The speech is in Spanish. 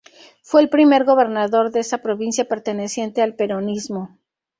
Fue el primer gobernador de esa provincia perteneciente al peronismo.